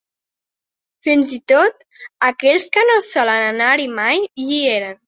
Fins i tot, aquells que no solen anar-hi mai, hi eren.